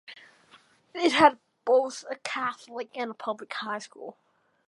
It had both a Catholic and a public high school.